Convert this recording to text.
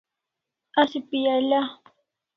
Asi pial'a